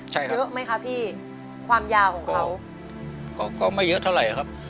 ใช่ครับเยอะไหมคะพี่ความยาวของเขาก็ไม่เยอะเท่าไหร่ครับ